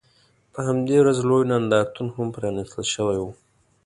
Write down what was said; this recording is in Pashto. په همدې ورځ لوی نندارتون هم پرانیستل شوی و.